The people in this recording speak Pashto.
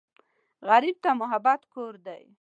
غریب ته محبت کور دی